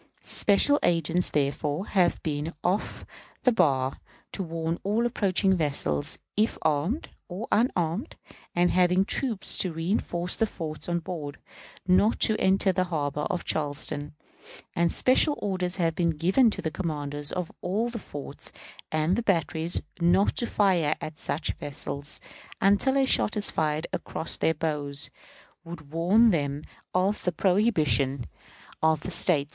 Special agents, therefore, have been off the bar, to warn all approaching vessels, if armed, or unarmed and having troops to reënforce the forts on board, not to enter the harbor of Charleston; and special orders have been given to the commanders of all the forts and batteries not to fire at such vessels until a shot fired across their bows would warn them of the prohibition of the State.